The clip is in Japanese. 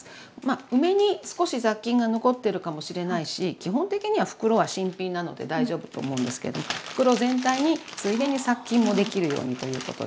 梅に少し雑菌が残ってるかもしれないし基本的には袋は新品なので大丈夫と思うんですけど袋全体についでに殺菌もできるようにということで。